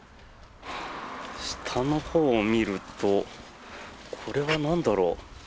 下のほうを見るとこれはなんだろう。